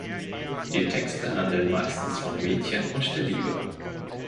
Die Texte handeln meistens von Mädchen und der Liebe.